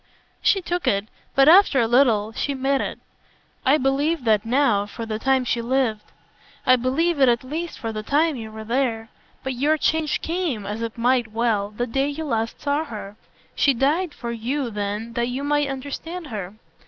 She took it, but after a little she met it. "I believe that now for the time she lived. I believe it at least for the time you were there. But your change came as it might well the day you last saw her; she died for you then that you might understand her.